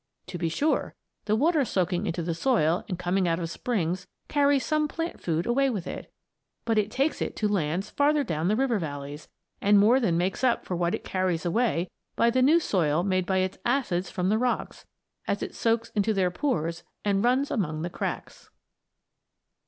To be sure, the water soaking into the soil and coming out of springs carries some plant food away with it; but it takes it to lands farther down the river valleys, and more than makes up for what it carries away by the new soil made by its acids from the rocks, as it soaks into their pores and runs among the cracks.